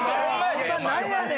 何やねん！